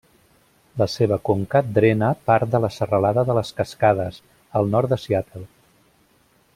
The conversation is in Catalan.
La seva conca drena part de la Serralada de les Cascades, al nord de Seattle.